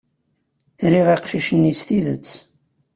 Riɣ aqcic-nni s tidet.